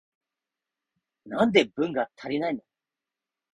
なんで文が足りないの？